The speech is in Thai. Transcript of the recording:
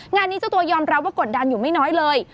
งานนี้เจ้าตัวยอมรับว่ากดดันอยู่ไม่น้อยเลย